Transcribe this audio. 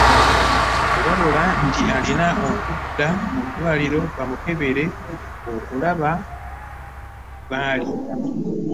Wabula nti alina okudda mu ddwaaliro bamukebere okulaba bw'ali.